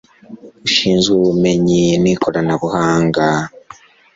ushinzwe Ubumenyi n Ikoranabuhanga